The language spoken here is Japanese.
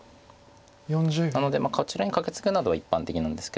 なのでこちらにカケツグなどが一般的なんですけど。